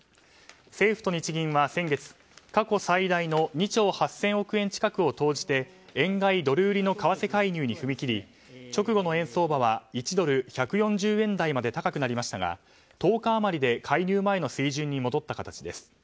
政府と日銀は先月、過去最大の２兆８０００億円近くを投じて円買いドル売りの為替介入に踏み切り直後の円相場は１ドル＝１４０円台まで高くなりましたが１０日余りで介入前の水準に戻った形です。